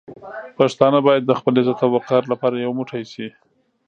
پښتانه باید د خپل عزت او وقار لپاره یو موټی شي.